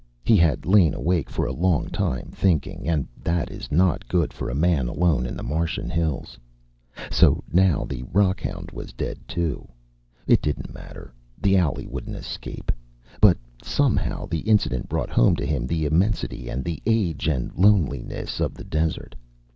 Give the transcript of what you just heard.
He had lain awake for a long time, thinking, and that is not good for a man alone in the Martian hills. So now the rockhound was dead too. It didn't matter, the owlie wouldn't escape. But somehow the incident brought home to him the immensity and the age and the loneliness of the desert.